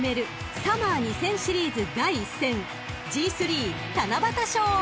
サマー２０００シリーズ第１戦ＧⅢ七夕賞］